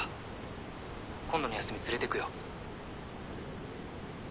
今度の休み連れてくよ。